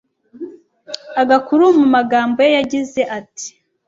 akaguru mu magambo ye yagize ati”